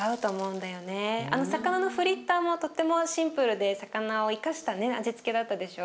あの魚のフリッターもとってもシンプルで魚を生かしたね味付けだったでしょ？